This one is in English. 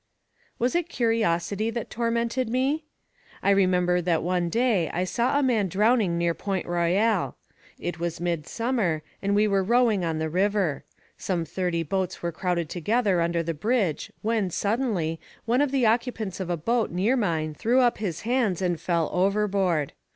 Was it curiosity that tormented me? I remember that one day I saw a man drowning near Pont Royale. It was midsummer and we were rowing on the river; some thirty boats were crowded together under the bridge when, suddenly, one of the occupants of a boat near mine threw up his hands and fell overboard.